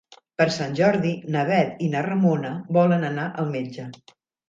Per Sant Jordi na Bet i na Ramona volen anar al metge.